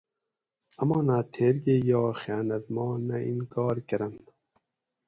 امانت تھیر کہ یائ خیانت ما نہ انکار کرنت